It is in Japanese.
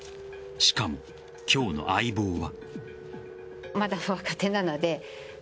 しかも、今日の相棒は。